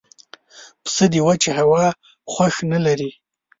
پسه د وچې هوا خوښ نه لري.